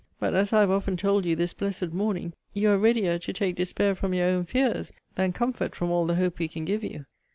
But, as I have often told you this blessed morning, you are reader to take despair from your own fears, than comfort from all the hope we can give you.